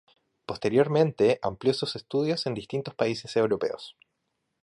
Posteriormente amplió sus estudios en distintos países europeos.